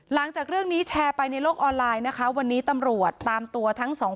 หลังจากเรื่องนี้แชร์ไปในโลกออนไลน์นะคะวันนี้ตำรวจตามตัวทั้งสองคน